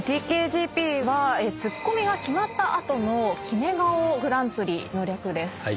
ＴＫＧＰはツッコミが決まった後のキメ顔グランプリの略です。